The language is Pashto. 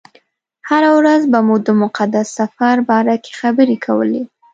هره ورځ به مو د مقدس سفر باره کې خبرې کولې.